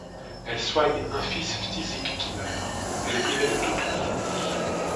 Elle soigne un fils phtisique qui meurt, elle est privée de toute ressource.